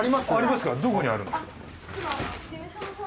どこにあるんでしょう。